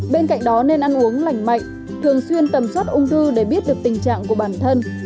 bên cạnh đó nên ăn uống lành mạnh thường xuyên tầm soát ung thư để biết được tình trạng của bản thân